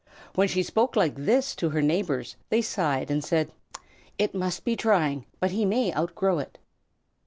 When she spoke like this to her neighbors they sighed and said, "It must be trying, but he may outgrow it."